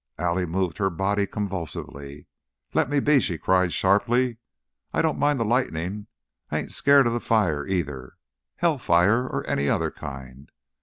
Allie moved her body convulsively. "Lemme be!" she cried, sharply. "I don't mind the lightning. I ain't scared of the fire, either hell fire or any other kind.